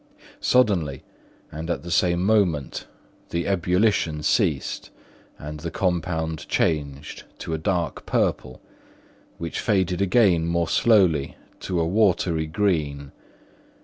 Suddenly and at the same moment, the ebullition ceased and the compound changed to a dark purple, which faded again more slowly to a watery green.